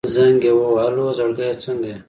زنګ يې ووهه الو زړګيه څنګه يې.